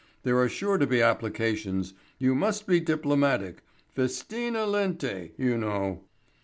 "There are sure to be applications. You must be diplomatic; festina lente, you know."